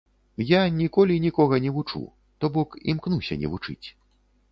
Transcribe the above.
Я ніколі нікога не вучу, то бок імкнуся не вучыць.